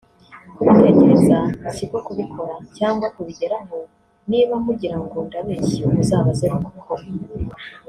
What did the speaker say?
kubitekereza siko kubikora cyangwa kubigeraho niba mugirango ndabeshya muzabaze Rukokoma